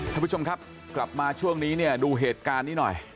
ท่านผู้ชมครับกลับมาช่วงนี้เนี่ยดูเหตุการณ์นี้หน่อย